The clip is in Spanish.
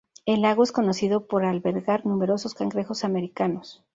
El lago es conocido por albergar numerosos cangrejos americanos.